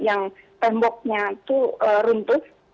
yang temboknya itu runtuh